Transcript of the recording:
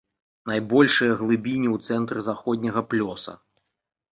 Найбольшыя глыбіні ў цэнтры заходняга плёса.